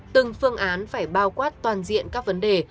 từng phương án phải bao quát toàn diện các vấn đề